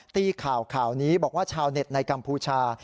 ตีข่าวข่าวนี้บอกว่าชาวเน็ตในกัมพูชา